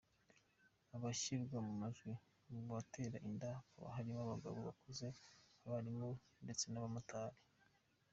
Abashyirwa mu majwi mu babatera inda hakaba harimo abagabo bakuze, abarimu ndetse n’abamotari.